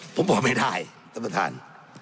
ผมบอกไม่ได้ท่านประธาน